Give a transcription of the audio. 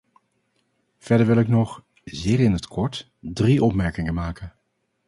Verder wil ik nog, zeer in het kort, drie opmerkingen maken.